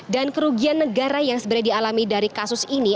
dan kerugian negara yang sebenarnya dialami dari kasus ini